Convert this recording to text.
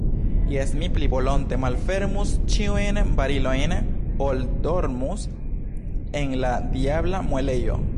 Jes, mi pli volonte malfermus ĉiujn barilojn, ol dormus en la diabla muelejo.